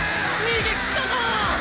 逃げきったぞ！